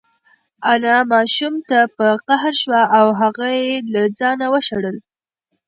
انا ماشوم ته په قهر شوه او هغه یې له ځانه وشړل.